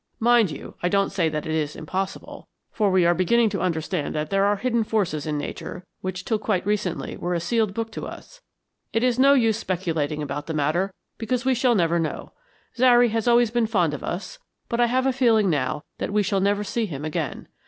Mind you, I don't say that it is impossible, for we are beginning to understand that there are hidden forces in Nature which till quite recently were a sealed book to us. It is no use speculating about the matter, because we shall never know. Zary has been always fond of us, but I have a feeling now that we shall never see him again.